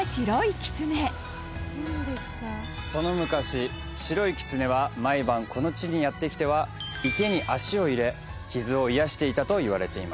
その昔、白い狐は毎晩、この地にやって来ては池に足を入れ、傷を癒やしていたといわれています。